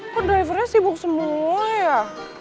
kok drivernya sibuk semua ya